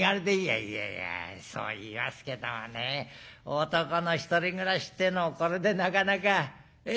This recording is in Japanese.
「いやいやそう言いますけどもね男の１人暮らしっていうのもこれでなかなかええ